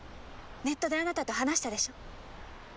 ネットであなたと話したでしょ？